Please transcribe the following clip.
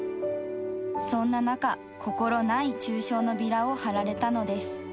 そんな中、心ない中傷のビラを貼られたのです。